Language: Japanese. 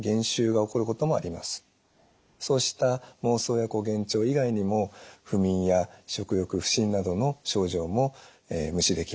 そうした妄想や幻聴以外にも不眠や食欲不振などの症状も無視できません。